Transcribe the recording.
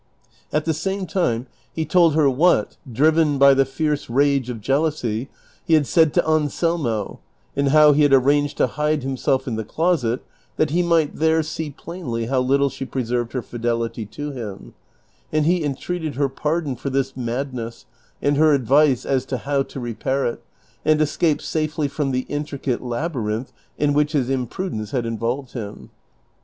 At the same time he told her what, driven by the fierce rage of jealousy, he had said to Anselmo, and how he had arranged to hide himself in the closet that he might there see plainly how little she preserved her fidelity to him ; and he entreated her pardon for this madness, and her advice as to how to repair it, and escape safely from the intricate labyrinth in which his imprudence had involved him.